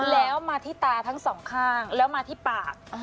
แล้วมาที่ตาทั้งสองข้างแล้วมาที่ปาก